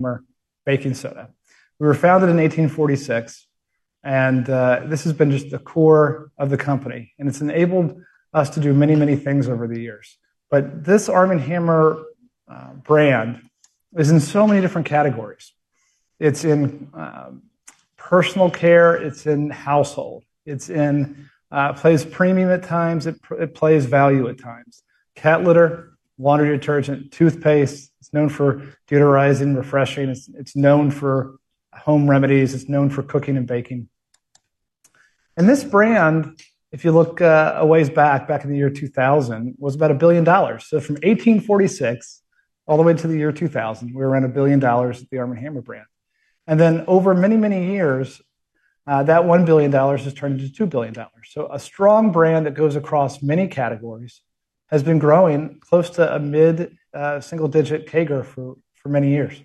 HAMMER Baking Soda. We were founded in 1846, and this has been just the core of the company. It's enabled us to do many, many things over the years. This ARM & HAMMER brand is in so many different categories. It's in personal care, it's in household, it plays premium at times, it plays value at times. Cat litter, laundry detergent, toothpaste, it's known for deodorizing, refreshing, it's known for home remedies, it's known for cooking and baking. This brand, if you look a ways back, back in the year 2000, was about $1 billion. From 1846 all the way to the year 2000, we were around $1 billion at the ARM & HAMMER brand. Over many, many years, that $1 billion has turned into $2 billion. A strong brand that goes across many categories has been growing close to a mid-single digit CAGR for many years.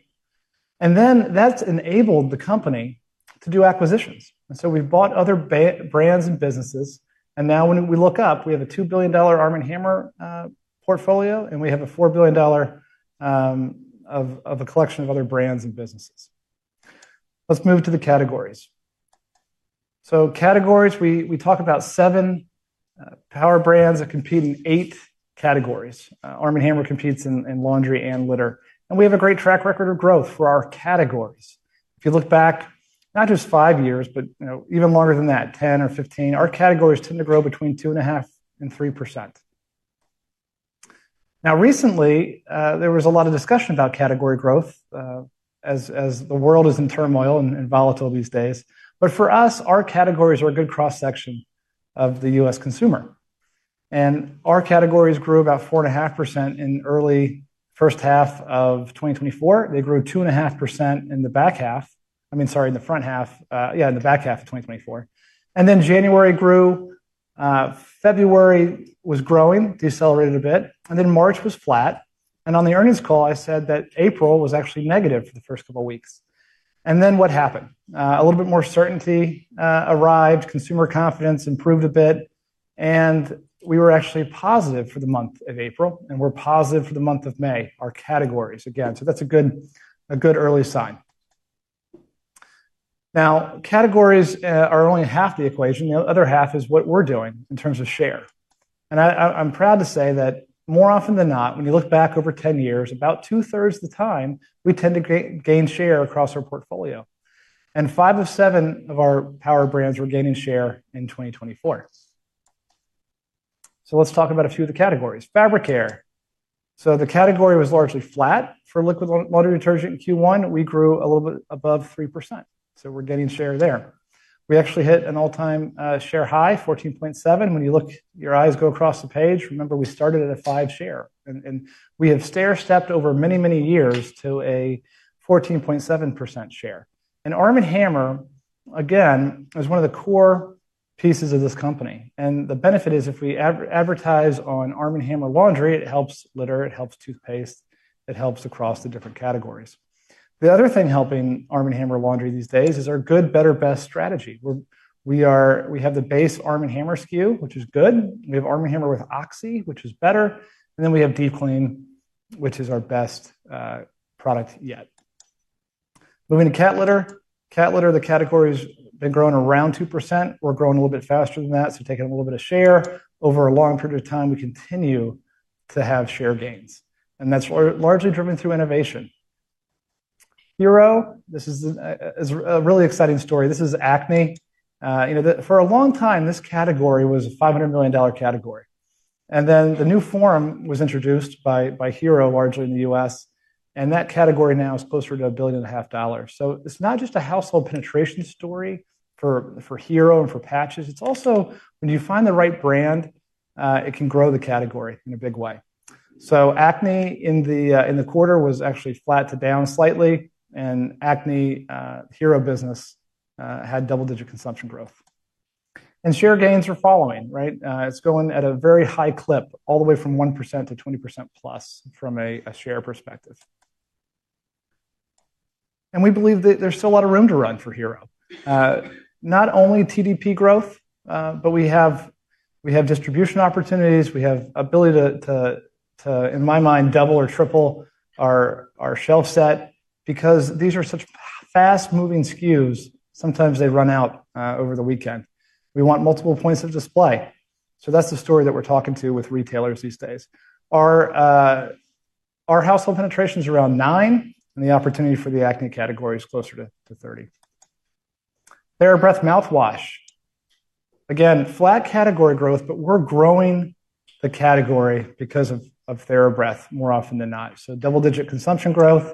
That has enabled the company to do acquisitions. We have bought other brands and businesses. Now when we look up, we have a $2 billion ARM & HAMMER portfolio, and we have a $4 billion collection of other brands and businesses. Let's move to the categories. Categories, we talk about seven power brands that compete in eight categories. ARM & HAMMER competes in laundry and litter, and we have a great track record of growth for our categories. If you look back, not just five years, but even longer than that, 10 years or 15 years, our categories tend to grow between 2.5% and 3%. Now recently, there was a lot of discussion about category growth as the world is in turmoil and volatile these days. For us, our categories are a good cross-section of the U.S. consumer. Our categories grew about 4.5% in early first half of 2024. They grew 2.5% in the back half. I mean, sorry, in the front half, yeah, in the back half of 2024. January grew, February was growing, decelerated a bit, and then March was flat. On the earnings call, I said that April was actually negative for the first couple of weeks. What happened? A little bit more certainty arrived, consumer confidence improved a bit, and we were actually positive for the month of April, and we are positive for the month of May, our categories again. That is a good early sign. Now categories are only half the equation. The other half is what we're doing in terms of share. I'm proud to say that more often than not, when you look back over 10 years, about 2/3 of the time, we tend to gain share across our portfolio. 5/7 of our power brands were gaining share in 2024. Let's talk about a few of the categories. Fabricare. The category was largely flat for liquid laundry detergent Q1. We grew a little bit above 3%. We're getting share there. We actually hit an all-time share high, 14.7%. When you look, your eyes go across the page, remember we started at a five share. We have stair-stepped over many, many years to a 14.7% share. ARM & HAMMER, again, is one of the core pieces of this company. The benefit is if we advertise on ARM & HAMMER Laundry, it helps litter, it helps toothpaste, it helps across the different categories. The other thing helping ARM & HAMMER Laundry these days is our good, better, best strategy. We have the base ARM & HAMMER SKU, which is good. We have ARM & HAMMER with Oxi, which is better. We have Deep Clean, which is our best product yet. Moving to cat litter, the category has been growing around 2%. We're growing a little bit faster than that, so taking a little bit of share. Over a long period of time, we continue to have share gains. That's largely driven through innovation. Hero, this is a really exciting story. This is acne. For a long time, this category was a $500 million category. The new form was introduced by Hero largely in the U.S. That category now is closer to $1.5 billion. It is not just a household penetration story for Hero and for patches. When you find the right brand, it can grow the category in a big way. Acne in the quarter was actually flat to down slightly. Acne Hero business had double-digit consumption growth. Share gains are following, right? It is going at a very high clip, all the way from 1% to 20%+ from a share perspective. We believe that there is still a lot of room to run for Hero. Not only TDP growth, but we have distribution opportunities. We have the ability to, in my mind, double or triple our shelf set because these are such fast-moving SKUs. Sometimes they run out over the weekend. We want multiple points of display. That is the story that we are talking to with retailers these days. Our household penetration is around 9%, and the opportunity for the acne category is closer to 30%. TheraBreath Mouthwash. Again, flat category growth, but we are growing the category because of TheraBreath more often than not. Double-digit consumption growth,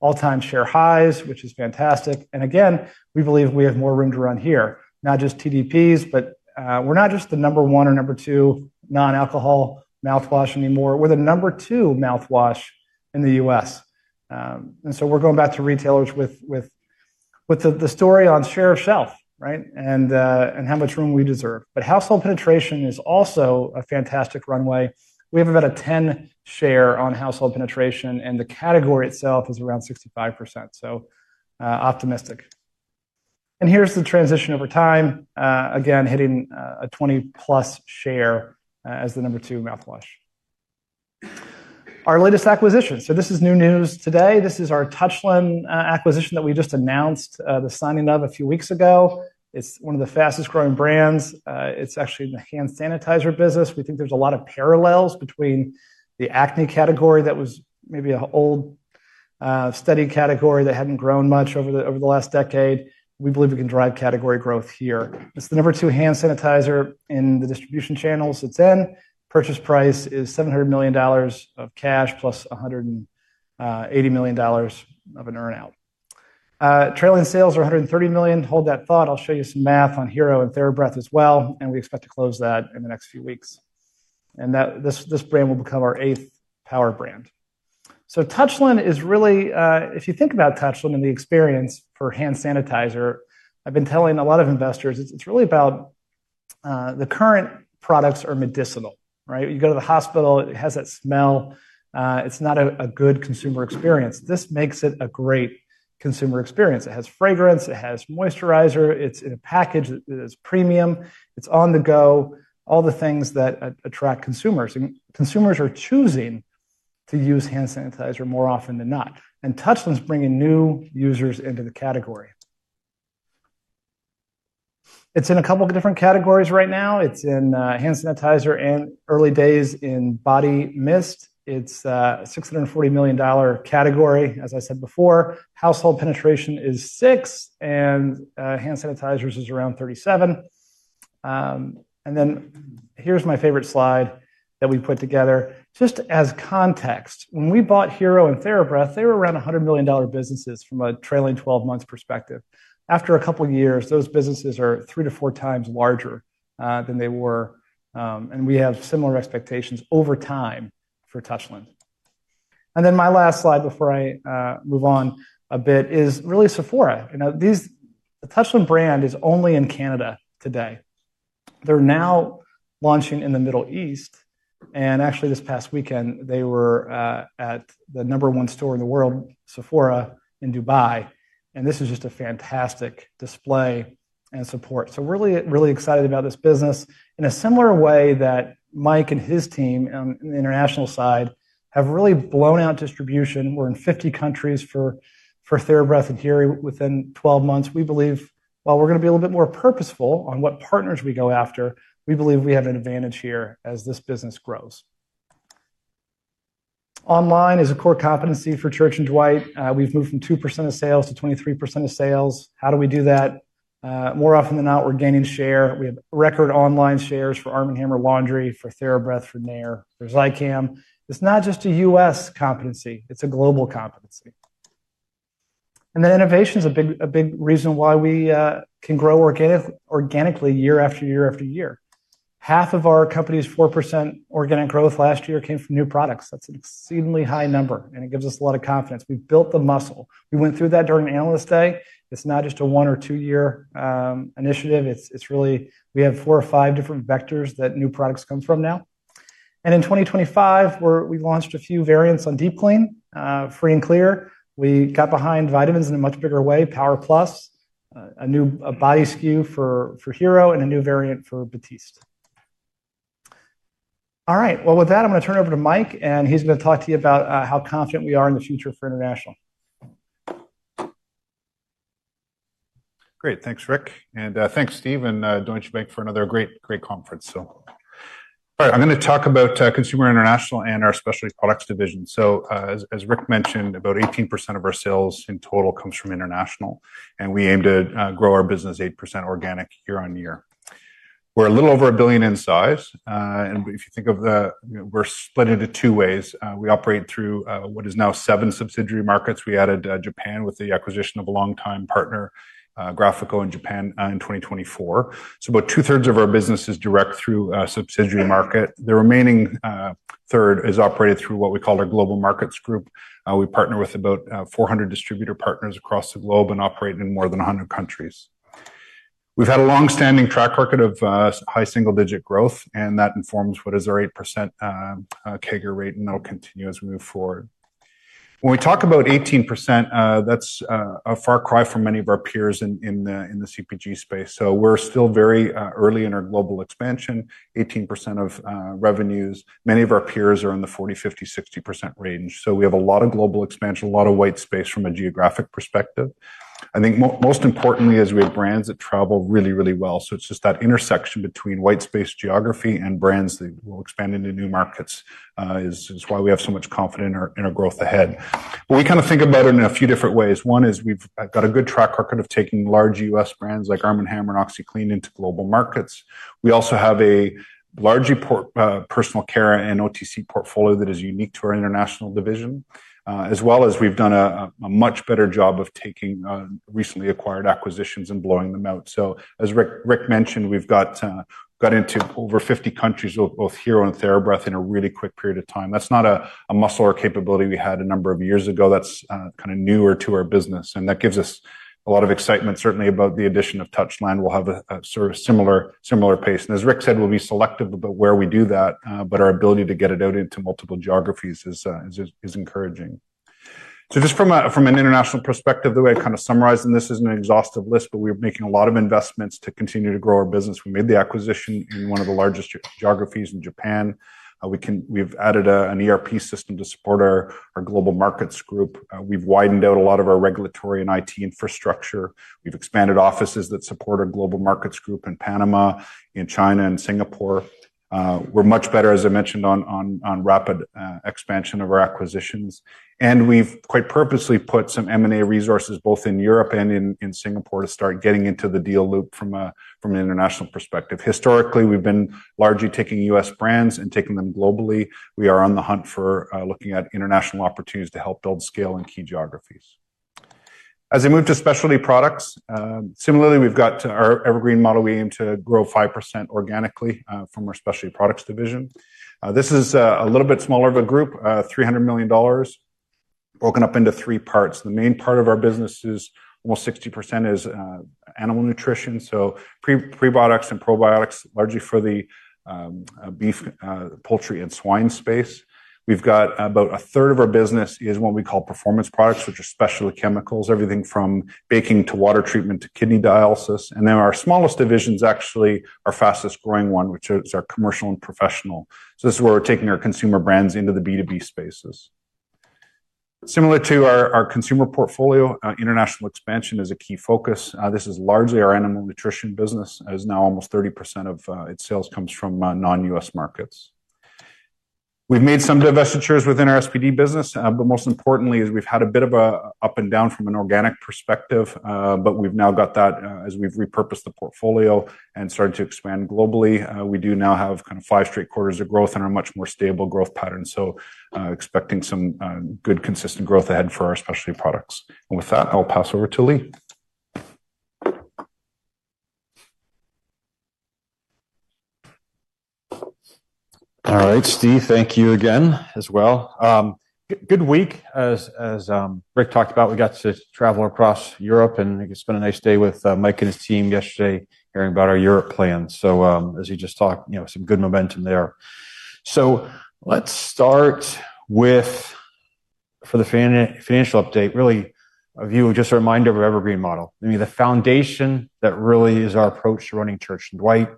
all-time share highs, which is fantastic. Again, we believe we have more room to run here, not just TDPs, but we are not just the number one or number two non-alcohol mouthwash anymore. We are the number two mouthwash in the U.S. We are going back to retailers with the story on share of shelf, right? How much room we deserve. Household penetration is also a fantastic runway. We have about a 10% share on household penetration, and the category itself is around 65%. Optimistic. Here's the transition over time, again, hitting a 20%+ share as the number two mouthwash. Our latest acquisition. This is new news today. This is our Touchland acquisition that we just announced the signing of a few weeks ago. It's one of the fastest growing brands. It's actually in the hand sanitizer business. We think there's a lot of parallels between the acne category that was maybe an old, steady category that hadn't grown much over the last decade. We believe we can drive category growth here. It's the number two hand sanitizer in the distribution channels it's in. Purchase price is $700 million of cash plus $180 million of an earnout. Trailing sales are $130 million. Hold that thought. I'll show you some math on Hero and TheraBreath as well. We expect to close that in the next few weeks. This brand will become our eighth power brand. Touchland is really, if you think about Touchland and the experience for hand sanitizer, I've been telling a lot of investors, it's really about the current products are medicinal, right? You go to the hospital, it has that smell. It's not a good consumer experience. This makes it a great consumer experience. It has fragrance, it has moisturizer, it's in a package that is premium, it's on the go, all the things that attract consumers. Consumers are choosing to use hand sanitizer more often than not. Touchland's bringing new users into the category. It's in a couple of different categories right now. It's in hand sanitizer and early days in body mist. It's a $640 million category, as I said before. Household penetration is 6%, and hand sanitizers is around 37%. Here's my favorite slide that we put together. Just as context, when we bought Hero and TheraBreath, they were around $100 million businesses from a trailing 12 months perspective. After a couple of years, those businesses are 3x to 4x larger than they were. We have similar expectations over time for Touchland. My last slide before I move on a bit is really Sephora. The Touchland brand is only in Canada today. They're now launching in the Middle East. Actually, this past weekend, they were at the number one store in the world, Sephora in Dubai. This is just a fantastic display and support. Really, really excited about this business. In a similar way that Mike and his team on the international side have really blown out distribution. We're in 50 countries for TheraBreath and Hero within 12 months. We believe, while we're going to be a little bit more purposeful on what partners we go after, we believe we have an advantage here as this business grows. Online is a core competency for Church & Dwight. We've moved from 2% of sales to 23% of sales. How do we do that? More often than not, we're gaining share. We have record online shares for ARM & HAMMER Laundry, for TheraBreath, for Nair, for Zicam. It's not just a U.S. competency. It's a global competency. Innovation is a big reason why we can grow organically year after year after year. Half of our company's 4% organic growth last year came from new products. That's an exceedingly high number, and it gives us a lot of confidence. We've built the muscle. We went through that during Analyst Day. It's not just a one or two-year initiative. It's really, we have four-five different vectors that new products come from now. In 2025, we launched a few variants on Deep Clean, Free & Clear. We got behind vitamins in a much bigger way, Power Plus, a new body SKU for Hero, and a new variant for Batiste. All right, with that, I'm going to turn it over to Mike, and he's going to talk to you about how confident we are in the future for international. Great. Thanks, Rick. And thanks, Steve and Deutsche Bank for another great conference. I'm going to talk about Consumer International and our specialty products division. As Rick mentioned, about 18% of our sales in total comes from international. We aim to grow our business 8% organic year-on-year. We're a little over $1 billion in size. If you think of the, we're split into two ways. We operate through what is now seven subsidiary markets. We added Japan with the acquisition of a longtime partner, Graphico in Japan in 2024. About 2/3 of our business is direct through a subsidiary market. The remaining 1/3 is operated through what we call our global markets group. We partner with about 400 distributor partners across the globe and operate in more than 100 countries. We've had a longstanding track record of high single-digit growth, and that informs what is our 8% kegger rate, and that'll continue as we move forward. When we talk about 18%, that's a far cry from many of our peers in the CPG space. We are still very early in our global expansion. 18% of revenues, many of our peers are in the 40%-60% range. We have a lot of global expansion, a lot of white space from a geographic perspective. I think most importantly is we have brands that travel really, really well. It is just that intersection between white space geography and brands that will expand into new markets is why we have so much confidence in our growth ahead. We kind of think about it in a few different ways. One is we've got a good track record of taking large U.S. brands like ARM & HAMMER and OxiClean into global markets. We also have a large personal care and OTC portfolio that is unique to our international division, as well as we've done a much better job of taking recently acquired acquisitions and blowing them out. As Rick mentioned, we've got into over 50 countries with both Hero and TheraBreath in a really quick period of time. That's not a muscle or capability we had a number of years ago. That's kind of newer to our business. That gives us a lot of excitement, certainly about the addition of Touchland. We'll have a similar pace. As Rick said, we'll be selective about where we do that, but our ability to get it out into multiple geographies is encouraging. Just from an international perspective, the way I kind of summarize this is an exhaustive list, but we're making a lot of investments to continue to grow our business. We made the acquisition in one of the largest geographies in Japan. We've added an ERP system to support our global markets group. We've widened out a lot of our regulatory and IT infrastructure. We've expanded offices that support our global markets group in Panama, in China, and Singapore. We're much better, as I mentioned, on rapid expansion of our acquisitions. We've quite purposely put some M&A resources both in Europe and in Singapore to start getting into the deal loop from an international perspective. Historically, we've been largely taking U.S. brands and taking them globally. We are on the hunt for looking at international opportunities to help build scale in key geographies. As we move to specialty products, similarly, we've got our evergreen model. We aim to grow 5% organically from our specialty products division. This is a little bit smaller of a group, $300 million, broken up into three parts. The main part of our business is almost 60% is animal nutrition. So pre-products and probiotics, largely for the beef, poultry, and swine space. We've got about 1/3 of our business is what we call performance products, which are specialty chemicals, everything from baking to water treatment to kidney dialysis. Then our smallest division is actually our fastest growing one, which is our commercial and professional. This is where we're taking our consumer brands into the B2B spaces. Similar to our consumer portfolio, international expansion is a key focus. This is largely our animal nutrition business. It is now almost 30% of its sales comes from non-U.S. markets. We've made some divestitures within our SPD business, but most importantly, we've had a bit of an up and down from an organic perspective, but we've now got that as we've repurposed the portfolio and started to expand globally. We do now have kind of five straight quarters of growth and a much more stable growth pattern. Expecting some good consistent growth ahead for our specialty products. With that, I'll pass over to Lee. All right, Steve, thank you again as well. Good week, as Rick talked about. We got to travel across Europe and spent a nice day with Mike and his team yesterday hearing about our Europe plans. As you just talked, some good momentum there. Let's start with, for the financial update, really a view of just a reminder of our evergreen model. I mean, the foundation that really is our approach to running Church & Dwight.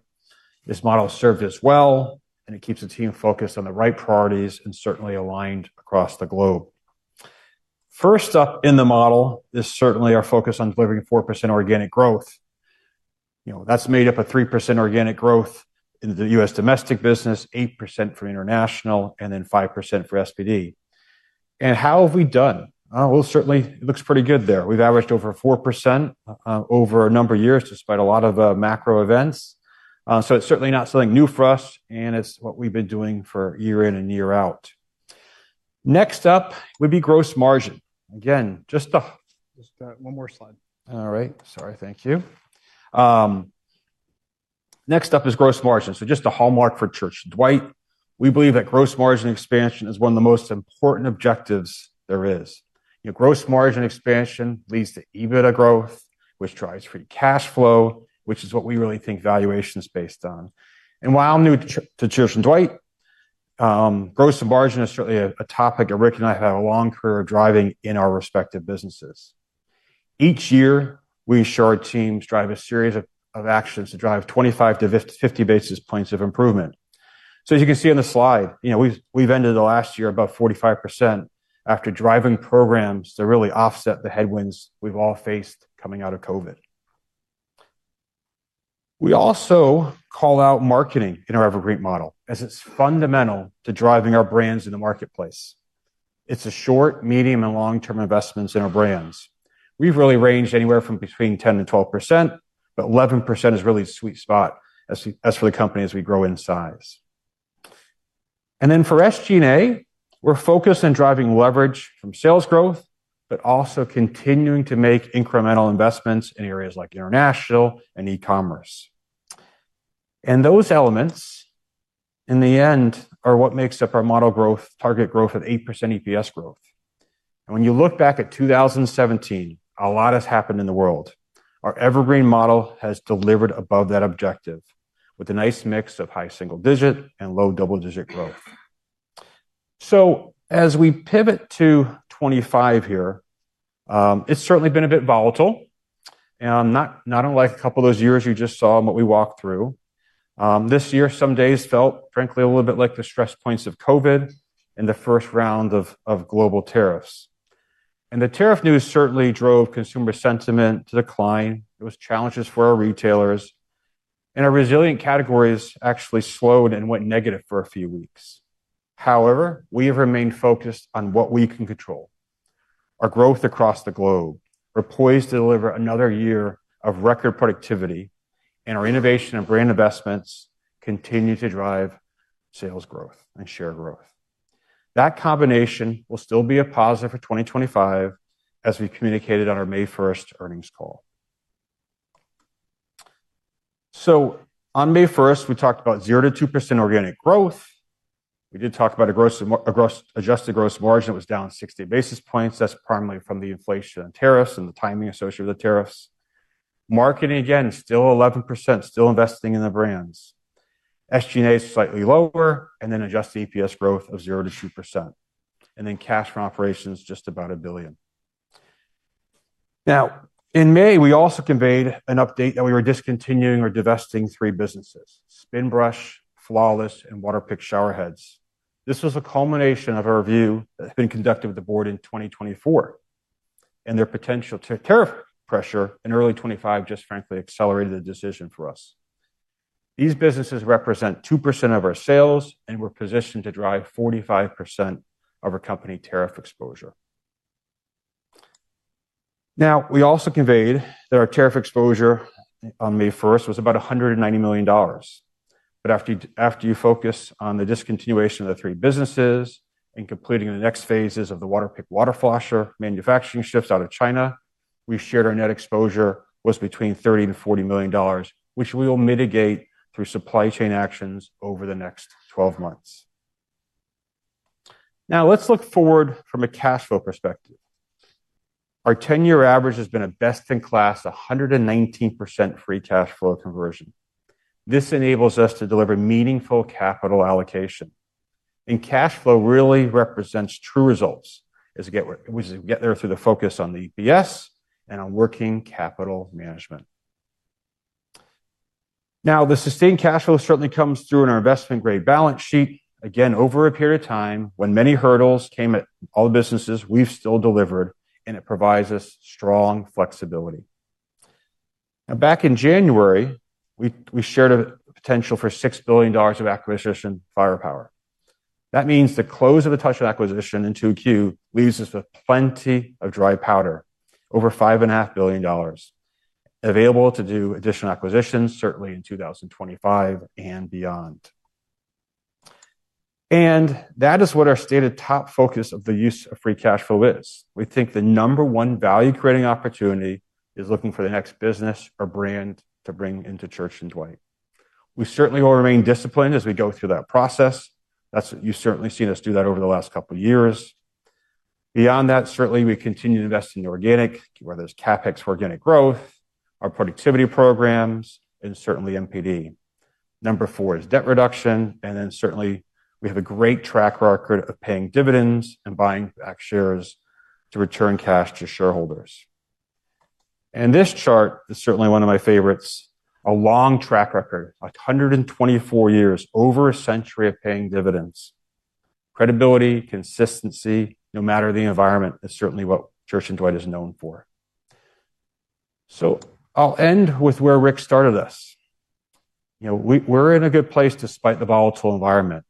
This model served us well, and it keeps the team focused on the right priorities and certainly aligned across the globe. First up in the model is certainly our focus on delivering 4% organic growth. That's made up of 3% organic growth in the U.S. domestic business, 8% for international, and then 5% for SPD. How have we done? Certainly, it looks pretty good there. We've averaged over 4% over a number of years despite a lot of macro events. It is certainly not something new for us, and it is what we've been doing year in and year out. Next up would be gross margin. Again, just one more slide. All right, sorry, thank you. Next up is gross margin. Just a hallmark for Church & Dwight, we believe that gross margin expansion is one of the most important objectives there is. Gross margin expansion leads to EBITDA growth, which drives free cash flow, which is what we really think valuation is based on. While new to Church & Dwight, gross margin is certainly a topic that Rick and I have had a long career of driving in our respective businesses. Each year, we ensure our teams drive a series of actions to drive 25 to 50 basis points of improvement. As you can see on the slide, we ended the last year about 45% after driving programs to really offset the headwinds we have all faced coming out of COVID. We also call out marketing in our evergreen model as it is fundamental to driving our brands in the marketplace. It is a short, medium, and long-term investment in our brands. We have really ranged anywhere from between 10%-12%, but 11% is really a sweet spot for the company as we grow in size. For SG&A, we are focused on driving leverage from sales growth, but also continuing to make incremental investments in areas like international and e-commerce. Those elements in the end are what make up our model growth target growth of 8% EPS growth. When you look back at 2017, a lot has happened in the world. Our Evergreen model has delivered above that objective with a nice mix of high single-digit and low double-digit growth. As we pivot to 2025 here, it's certainly been a bit volatile. Not unlike a couple of those years you just saw in what we walked through, this year, some days felt, frankly, a little bit like the stress points of COVID and the first round of global tariffs. The tariff news certainly drove consumer sentiment to decline. There were challenges for our retailers, and our resilient categories actually slowed and went negative for a few weeks. However, we have remained focused on what we can control. Our growth across the globe, we're poised to deliver another year of record productivity, and our innovation and brand investments continue to drive sales growth and share growth. That combination will still be a positive for 2025, as we communicated on our May 1st earnings call. On May 1st, we talked about 0%-2% organic growth. We did talk about a gross margin that was down 60 basis points. That is primarily from the inflation and tariffs and the timing associated with the tariffs. Marketing, again, still 11%, still investing in the brands. SG&A is slightly lower and then adjusted EPS growth of 0%-2%. Cash from operations just about $1 billion. In May, we also conveyed an update that we were discontinuing or divesting three businesses: Spin brush, Flawless, and Waterpik Showerheads. This was a culmination of our review that had been conducted with the board in 2024. Their potential tariff pressure in early 2025 just frankly accelerated the decision for us. These businesses represent 2% of our sales, and we're positioned to drive 45% of our company tariff exposure. We also conveyed that our tariff exposure on May 1st was about $190 million. After you focus on the discontinuation of the three businesses and completing the next phases of the Water Flasher manufacturing shifts out of China, we shared our net exposure was between $30 million-$40 million, which we will mitigate through supply chain actions over the next 12 months. Now, let's look forward from a cash flow perspective. Our 10-year average has been a best-in-class 119% free cash flow conversion. This enables us to deliver meaningful capital allocation. Cash flow really represents true results as we get there through the focus on the EPS and on working capital management. The sustained cash flow certainly comes through in our investment-grade balance sheet. Again, over a period of time, when many hurdles came at all the businesses, we've still delivered, and it provides us strong flexibility. Now, back in January, we shared a potential for $6 billion of acquisition firepower. That means the close of the Touchland acquisition in 2Q leaves us with plenty of dry powder, over $5.5 billion available to do additional acquisitions, certainly in 2025 and beyond. That is what our stated top focus of the use of free cash flow is. We think the number one value-creating opportunity is looking for the next business or brand to bring into Church & Dwight. We certainly will remain disciplined as we go through that process. That's what you've certainly seen us do that over the last couple of years. Beyond that, certainly we continue to invest in the organic, whether it's CapEx for organic growth, our productivity programs, and certainly MPD. Number four is debt reduction, and certainly we have a great track record of paying dividends and buying back shares to return cash to shareholders. This chart is certainly one of my favorites. A long track record, 124 years, over a century of paying dividends. Credibility, consistency, no matter the environment, is certainly what Church & Dwight is known for. I'll end with where Rick started us. We're in a good place despite the volatile environment.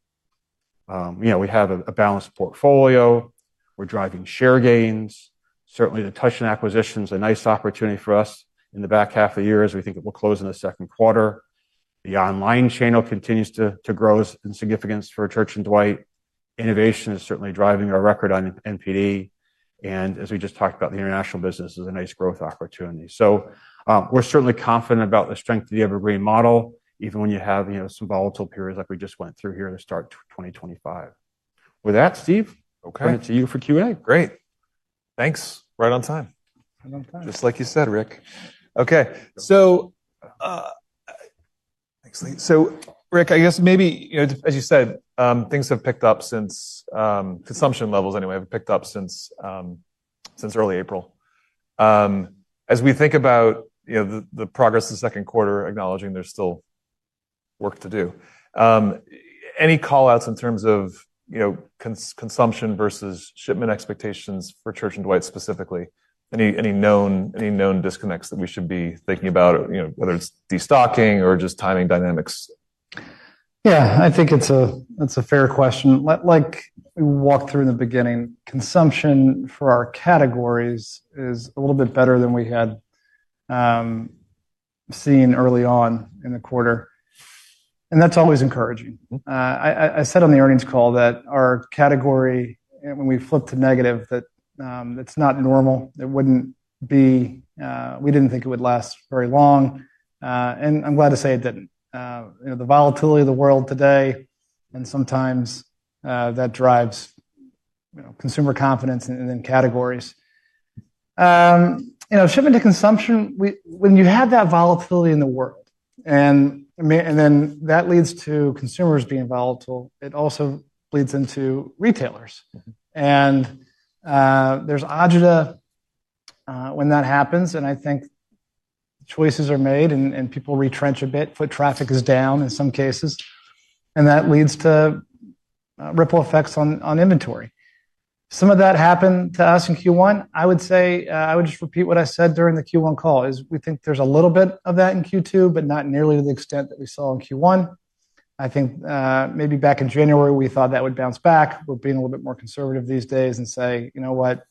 We have a balanced portfolio. We're driving share gains. Certainly, the Touchland acquisition is a nice opportunity for us in the back half of the year as we think it will close in the second quarter. The online channel continues to grow in significance for Church & Dwight. Innovation is certainly driving our record on MPD. As we just talked about, the international business is a nice growth opportunity. We are certainly confident about the strength of the evergreen model, even when you have some volatile periods like we just went through here to start 2025. With that, Steve, turn it to you for Q&A. Okay. Great. Thanks. Right on time. Just like you said, Rick. Okay. Rick, I guess maybe, as you said, things have picked up since consumption levels anyway have picked up since early April. As we think about the progress of the second quarter, acknowledging there is still work to do, any callouts in terms of consumption versus shipment expectations for Church & Dwight specifically? Any known disconnects that we should be thinking about, whether it is destocking or just timing dynamics? Yeah, I think it's a fair question. Like we walked through in the beginning, consumption for our categories is a little bit better than we had seen early on in the quarter. That's always encouraging. I said on the earnings call that our category, when we flipped to negative, that it's not normal. It wouldn't be—we didn't think it would last very long. I'm glad to say it didn't. The volatility of the world today, and sometimes that drives consumer confidence in categories. Shipping to consumption, when you have that volatility in the world, and then that leads to consumers being volatile, it also leads into retailers. There's agita when that happens, and I think choices are made and people retrench a bit. Foot traffic is down in some cases, and that leads to ripple effects on inventory. Some of that happened to us in Q1. I would say I would just repeat what I said during the Q1 call is we think there's a little bit of that in Q2, but not nearly to the extent that we saw in Q1. I think maybe back in January, we thought that would bounce back. We're being a little bit more conservative these days and say, you know what,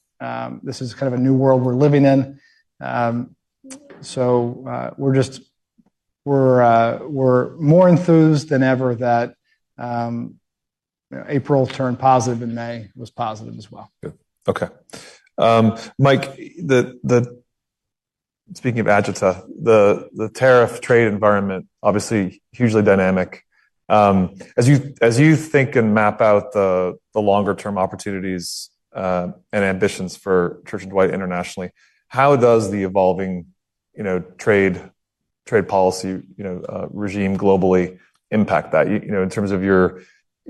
this is kind of a new world we're living in. So we're more enthused than ever that April turned positive and May was positive as well. Okay. Mike, speaking of agita, the tariff trade environment, obviously hugely dynamic. As you think and map out the longer-term opportunities and ambitions for Church & Dwight internationally, how does the evolving trade policy regime globally impact that in terms of your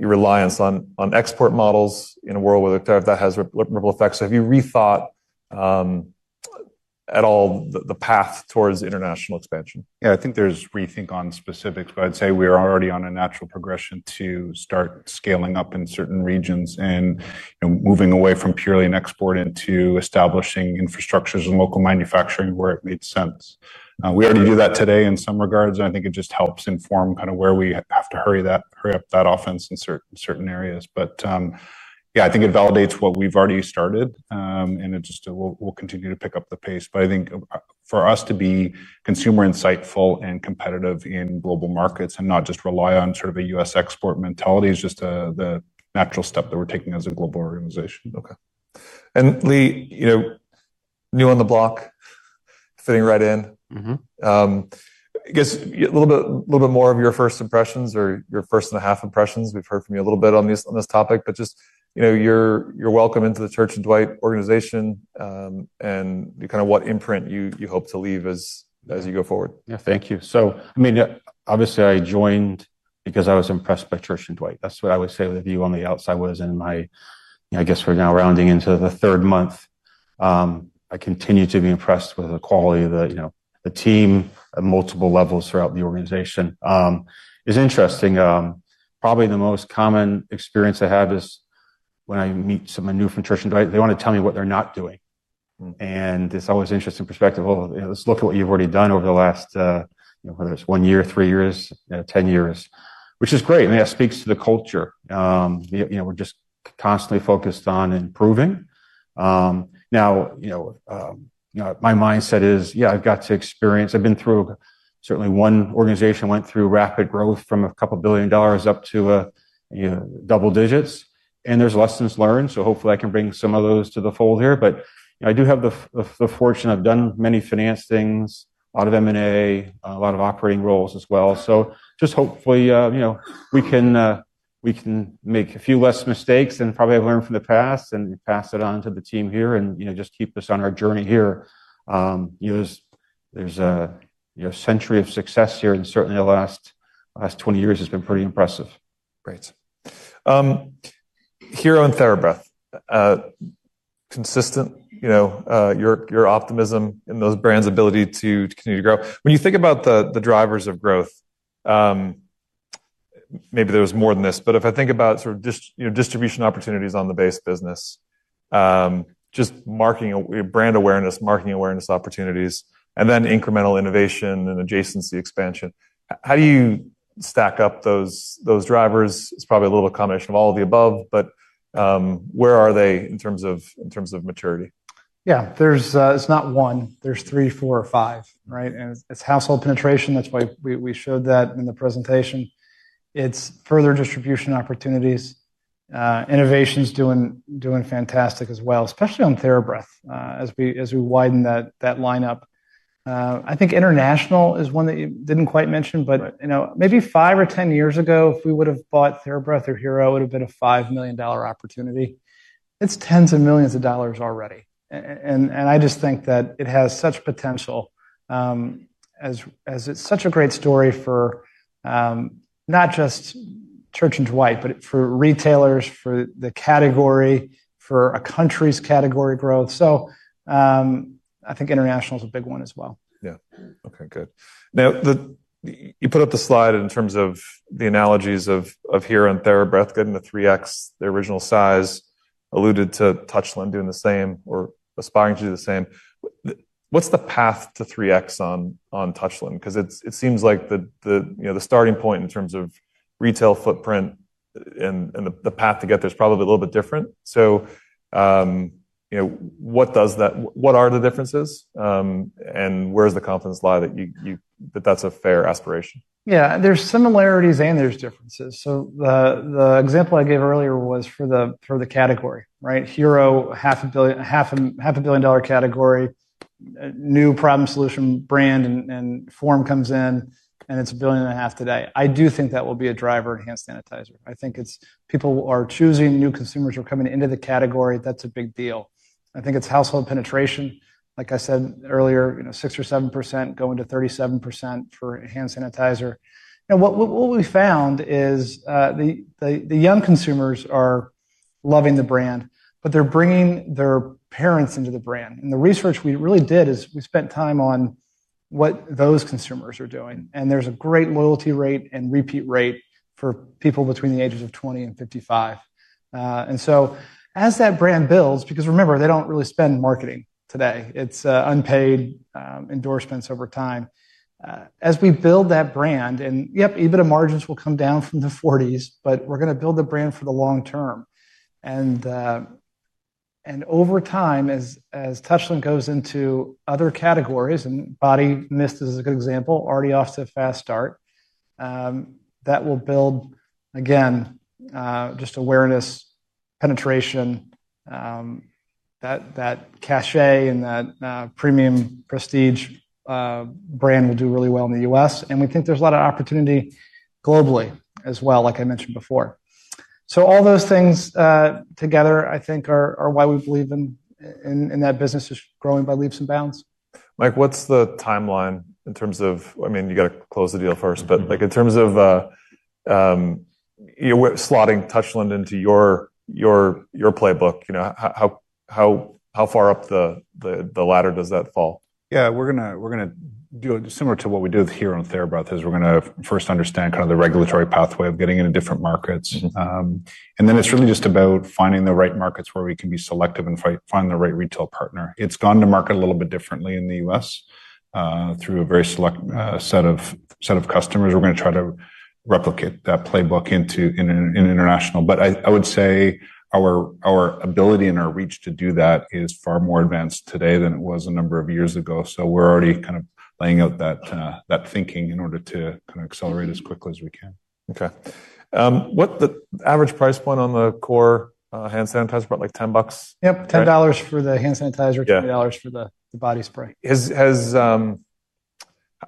reliance on export models in a world where the tariff that has ripple effects? Have you rethought at all the path towards international expansion? Yeah, I think there's rethink on specifics, but I'd say we are already on a natural progression to start scaling up in certain regions and moving away from purely an export into establishing infrastructures and local manufacturing where it made sense. We already do that today in some regards. I think it just helps inform kind of where we have to hurry up that offense in certain areas. Yeah, I think it validates what we've already started, and it just will continue to pick up the pace. I think for us to be consumer insightful and competitive in global markets and not just rely on sort of a U.S. export mentality is just the natural step that we're taking as a global organization. Okay. Lee, new on the block, fitting right in. I guess a little bit more of your first impressions or your first and a half impressions. We have heard from you a little bit on this topic, but just your welcome into the Church & Dwight organization and kind of what imprint you hope to leave as you go forward. Yeah, thank you. I mean, obviously, I joined because I was impressed by Church & Dwight. That's what I would say the view on the outside was in my, I guess we're now rounding into the third month. I continue to be impressed with the quality of the team at multiple levels throughout the organization. It's interesting. Probably the most common experience I have is when I meet someone new from Church & Dwight, they want to tell me what they're not doing. It's always an interesting perspective. Let's look at what you've already done over the last, whether it's one year, three years, 10 years, which is great. I mean, that speaks to the culture. We're just constantly focused on improving. Now, my mindset is, yeah, I've got to experience. I've been through certainly one organization went through rapid growth from a $2 billion up to double digits. There's lessons learned. Hopefully, I can bring some of those to the fold here. I do have the fortune I've done many finance things, a lot of M&A, a lot of operating roles as well. Hopefully, we can make a few less mistakes and probably have learned from the past and pass it on to the team here and just keep us on our journey here. There's a century of success here and certainly the last 20 years has been pretty impressive. Great. Hero and TheraBreath, consistent, your optimism in those brands' ability to continue to grow. When you think about the drivers of growth, maybe there was more than this, but if I think about sort of distribution opportunities on the base business, just brand awareness, marketing awareness opportunities, and then incremental innovation and adjacency expansion, how do you stack up those drivers? It's probably a little combination of all of the above, but where are they in terms of maturity? Yeah, it's not one. There's three, four, or five, right? And it's household penetration. That's why we showed that in the presentation. It's further distribution opportunities. Innovation's doing fantastic as well, especially on TheraBreath as we widen that lineup. I think international is one that you didn't quite mention, but maybe five or ten years ago, if we would have bought TheraBreath or Hero, it would have been a $5 million opportunity. It's tens of millions of dollars already. I just think that it has such potential as it's such a great story for not just Church & Dwight, but for retailers, for the category, for a country's category growth. I think international is a big one as well. Yeah. Okay, good. Now, you put up the slide in terms of the analogies of Hero and TheraBreath getting to 3X their original size, alluded to Touchland doing the same or aspiring to do the same. What's the path to 3X on Touchland? Because it seems like the starting point in terms of retail footprint and the path to get there is probably a little bit different. What are the differences and where does the confidence lie that that's a fair aspiration? Yeah, there's similarities and there's differences. The example I gave earlier was for the category, right? Hero, $500 million category, new problem-solution brand and form comes in and it's $1.5 billion today. I do think that will be a driver in hand sanitizer. I think people are choosing new consumers who are coming into the category. That's a big deal. I think it's household penetration. Like I said earlier, 6% or 7% going to 37% for hand sanitizer. What we found is the young consumers are loving the brand, but they're bringing their parents into the brand. The research we really did is we spent time on what those consumers are doing. There's a great loyalty rate and repeat rate for people between the ages of 20 and 55. As that brand builds, because remember, they do not really spend marketing today. It is unpaid endorsements over time. As we build that brand, and yep, even the margins will come down from the 40s, but we are going to build the brand for the long term. Over time, as Touchland goes into other categories, and Body Mist is a good example, already off to a fast start, that will build, again, just awareness, penetration. That cachet and that premium prestige brand will do really well in the U.S. We think there is a lot of opportunity globally as well, like I mentioned before. All those things together, I think, are why we believe in that business is growing by leaps and bounds. Mike, what's the timeline in terms of, I mean, you got to close the deal first, but in terms of slotting Touchland into your playbook, how far up the ladder does that fall? Yeah, we're going to do similar to what we did with Hero and TheraBreath is we're going to first understand kind of the regulatory pathway of getting into different markets. Then it's really just about finding the right markets where we can be selective and find the right retail partner. It's gone to market a little bit differently in the U.S. through a very select set of customers. We're going to try to replicate that playbook into international. I would say our ability and our reach to do that is far more advanced today than it was a number of years ago. We're already kind of laying out that thinking in order to kind of accelerate as quickly as we can. Okay. What's the average price point on the core hand sanitizer, about like $10? Yep, $10 for the hand sanitizer, $20 for the body spray.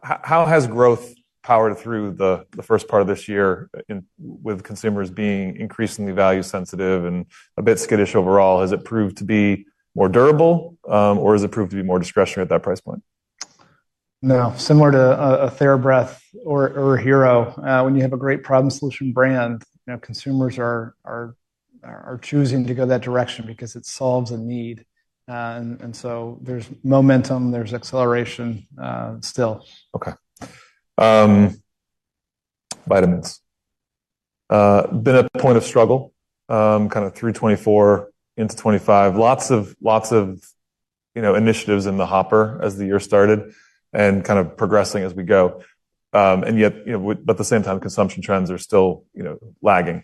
How has growth powered through the first part of this year with consumers being increasingly value-sensitive and a bit skittish overall? Has it proved to be more durable, or has it proved to be more discretionary at that price point? Now, similar to a TheraBreath or a Hero, when you have a great problem-solution brand, consumers are choosing to go that direction because it solves a need. There is momentum, there is acceleration still. Okay. Vitamins. Been a point of struggle, kind of through 2024 into 2025. Lots of initiatives in the hopper as the year started and kind of progressing as we go. Yet, at the same time, consumption trends are still lagging.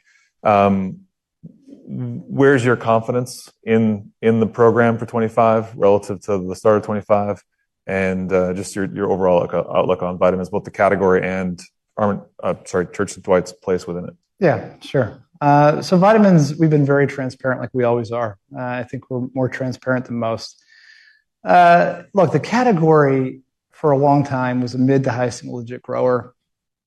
Where's your confidence in the program for 2025 relative to the start of 2025 and just your overall outlook on vitamins, both the category and, sorry, Church & Dwight's place within it? Yeah, sure. So vitamins, we've been very transparent, like we always are. I think we're more transparent than most. Look, the category for a long time was a mid to high single digit grower.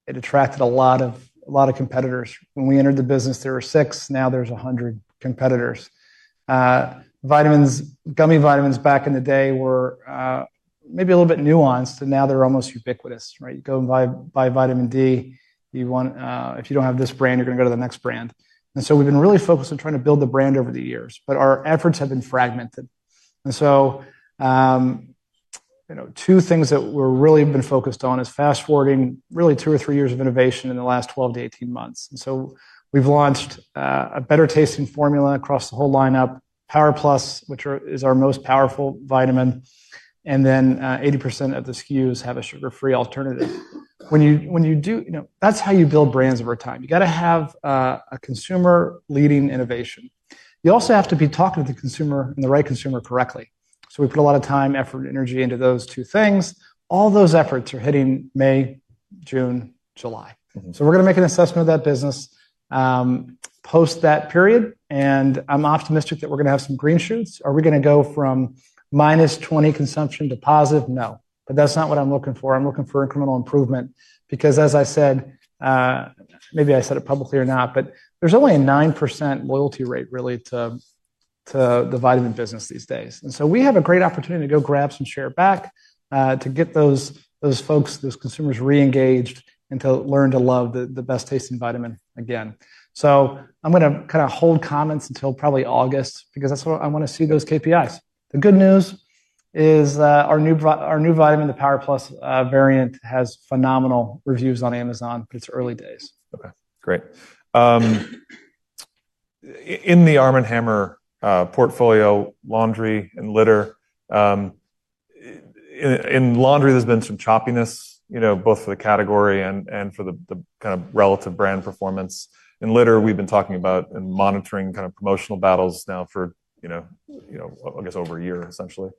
It attracted a lot of competitors. When we entered the business, there were six. Now there's 100 competitors. Vitamins, gummy vitamins back in the day were maybe a little bit nuanced, and now they're almost ubiquitous, right? You go and buy vitamin D, if you don't have this brand, you're going to go to the next brand. We've been really focused on trying to build the brand over the years, but our efforts have been fragmented. Two things that we've really been focused on is fast forwarding really two or three years of innovation in the last 12 months-18 months. We have launched a better tasting formula across the whole lineup, Power Plus, which is our most powerful vitamin. Then 80% of the SKUs have a sugar-free alternative. When you do, that's how you build brands over time. You have to have a consumer leading innovation. You also have to be talking to the consumer and the right consumer correctly. We put a lot of time, effort, and energy into those two things. All those efforts are hitting May, June, July. We are going to make an assessment of that business post that period. I am optimistic that we are going to have some green shoots. Are we going to go from -20% consumption to positive? No. That is not what I am looking for. I'm looking for incremental improvement because, as I said, maybe I said it publicly or not, but there's only a 9% loyalty rate really to the vitamin business these days. We have a great opportunity to go grab some share back to get those folks, those consumers re-engaged and to learn to love the best tasting vitamin again. I'm going to kind of hold comments until probably August because that's what I want to see, those KPIs. The good news is our new vitamin, the Power Plus variant, has phenomenal reviews on Amazon, but it's early days. Okay, great. In the ARM & HAMMER portfolio, laundry and litter, in laundry, there's been some choppiness, both for the category and for the kind of relative brand performance. In litter, we've been talking about and monitoring kind of promotional battles now for, I guess, over a year, essentially.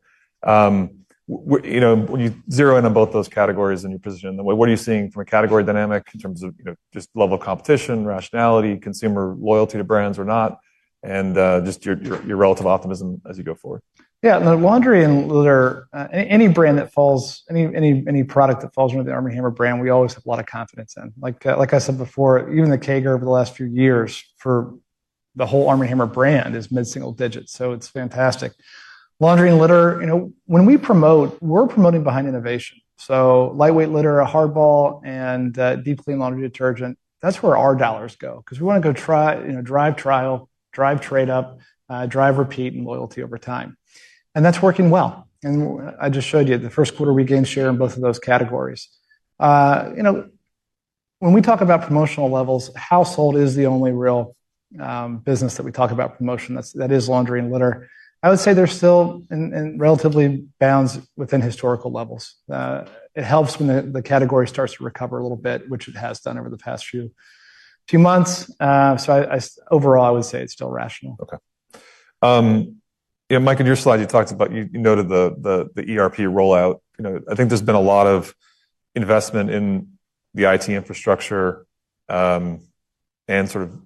When you zero in on both those categories and your position, what are you seeing from a category dynamic in terms of just level of competition, rationality, consumer loyalty to brands or not, and just your relative optimism as you go forward? Yeah, the laundry and litter, any brand that falls, any product that falls under the ARM & HAMMER brand, we always have a lot of confidence in. Like I said before, even the CAGR over the last few years for the whole ARM & HAMMER brand is mid-single digits. So it's fantastic. Laundry and litter, when we promote, we're promoting behind innovation. So lightweight litter, a hardball, and Deep Clean laundry detergent, that's where our dollars go because we want to go drive trial, drive trade-up, drive repeat and loyalty over time. That's working well. I just showed you the first quarter we gained share in both of those categories. When we talk about promotional levels, household is the only real business that we talk about promotion that is laundry and litter. I would say they're still in relatively bounds within historical levels. It helps when the category starts to recover a little bit, which it has done over the past few months. Overall, I would say it's still rational. Okay. Yeah, Mike, in your slide, you talked about, you noted the ERP rollout. I think there's been a lot of investment in the IT infrastructure and sort of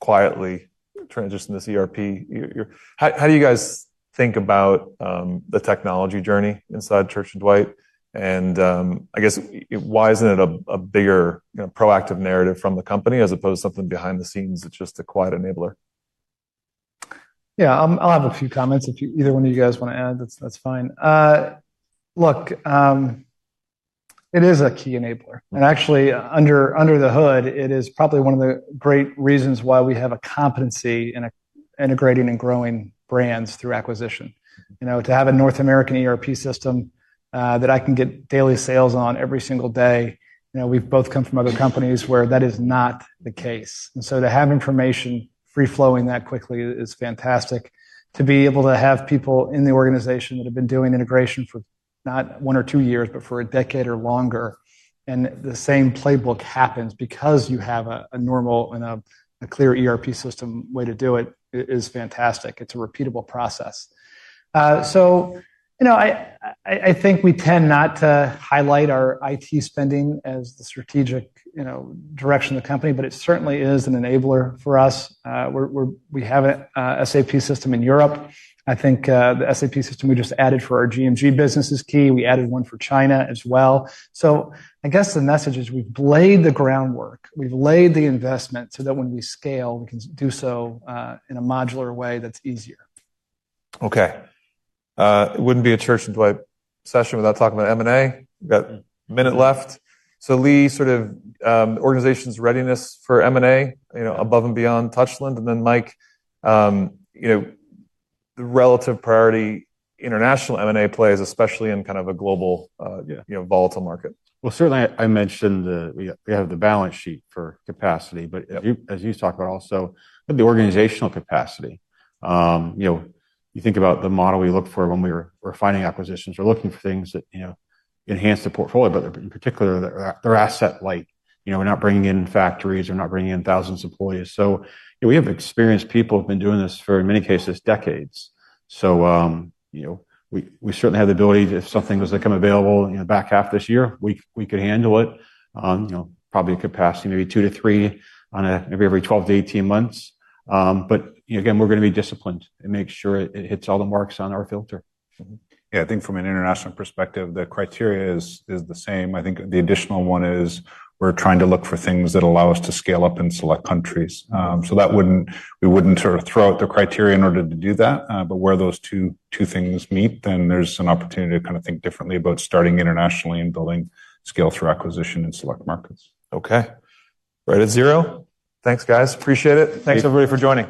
quietly transitioned this ERP. How do you guys think about the technology journey inside Church & Dwight? I guess, why isn't it a bigger proactive narrative from the company as opposed to something behind the scenes that's just a quiet enabler? Yeah, I'll have a few comments. If either one of you guys want to add, that's fine. Look, it is a key enabler. Actually, under the hood, it is probably one of the great reasons why we have a competency in integrating and growing brands through acquisition. To have a North American ERP system that I can get daily sales on every single day, we've both come from other companies where that is not the case. To have information free-flowing that quickly is fantastic. To be able to have people in the organization that have been doing integration for not one or two years, but for a decade or longer, and the same playbook happens because you have a normal and a clear ERP system way to do it is fantastic. It's a repeatable process. I think we tend not to highlight our IT spending as the strategic direction of the company, but it certainly is an enabler for us. We have an SAP system in Europe. I think the SAP system we just added for our GMG business is key. We added one for China as well. I guess the message is we've laid the groundwork. We've laid the investment so that when we scale, we can do so in a modular way that's easier. Okay. It would not be a Church & Dwight session without talking about M&A. We have got a minute left. Lee, sort of organization's readiness for M&A above and beyond Touchland. Mike, the relative priority international M&A plays, especially in kind of a global volatile market. Certainly, I mentioned we have the balance sheet for capacity, but as you talk about also the organizational capacity. You think about the model we look for when we were finding acquisitions. We're looking for things that enhance the portfolio, but in particular, they're asset-light. We're not bringing in factories. We're not bringing in thousands of employees. So we have experienced people who have been doing this for, in many cases, decades. So we certainly have the ability if something does become available back half this year, we could handle it. Probably a capacity maybe two to three on every 12 months-18 months. Again, we're going to be disciplined and make sure it hits all the marks on our filter. Yeah, I think from an international perspective, the criteria is the same. I think the additional one is we're trying to look for things that allow us to scale up in select countries. We wouldn't sort of throw out the criteria in order to do that. Where those two things meet, then there's an opportunity to kind of think differently about starting internationally and building scale through acquisition in select markets. Okay. Right at zero. Thanks, guys. Appreciate it. Thanks, everybody, for joining.